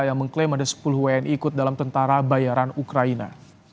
yang mengklaim ada sepuluh wni ikut dalam tentara bayaran ukraina